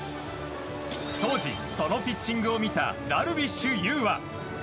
当時、そのピッチングを見たダルビッシュ有は。